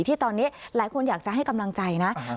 ที่ตอนนี้หลายคนอยากจะให้กำลังใจนะ